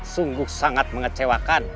sungguh sangat mengecewakan